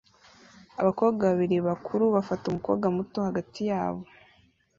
Abakobwa babiri bakuru bafata umukobwa muto hagati yabo